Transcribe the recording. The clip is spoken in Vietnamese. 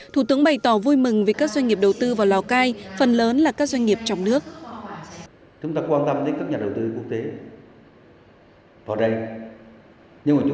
thủ tướng bày tỏ vui mừng vì các doanh nghiệp đầu tư vào lào cai phần lớn là các doanh nghiệp trong nước